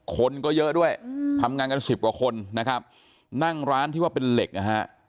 คนก็เยอะด้วยทำงานกันสิบกว่าคนนะครับนั่งร้านที่ว่าเป็นเหล็กนะฮะ